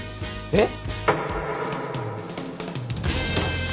えっ？